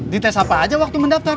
dites apa aja waktu mendaftar